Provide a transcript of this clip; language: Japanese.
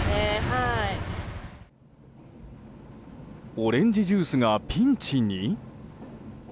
オレンジジュースがピンチに？